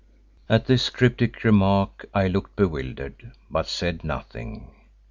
At this cryptic remark I looked bewildered but said nothing.